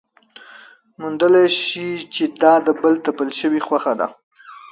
موندلی شي چې دا د بل تپل شوې خوښه ده.